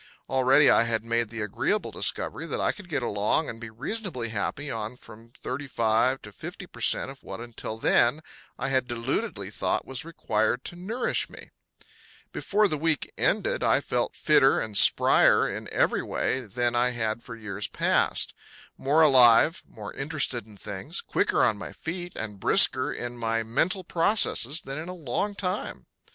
Already I had made the agreeable discovery that I could get along and be reasonably happy on from 35 to 50 per cent of what until then I had deludedly thought was required to nourish me. Before the week ended I felt fitter and sprier in every way than I had for years past; more alive, more interested in things, quicker on my feet and brisker in my mental processes than in a long time.